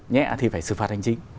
nhẹ thì phải xử phạt hành chính